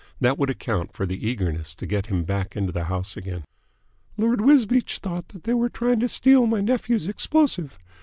That would account for the eagerness to get him back into the house again." "Lord Wisbeach thought that they were trying to steal my nephew's explosive.